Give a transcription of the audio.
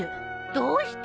どうして？